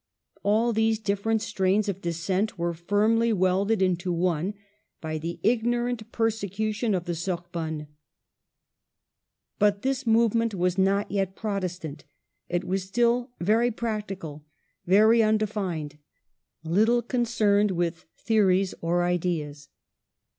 All these different strains of dissent were firmly welded into one by the ignorant persecution of the Sorbonne. But this movement was not yet Protestant; it was still very practical, very undefined, little concerned with theories or ideas.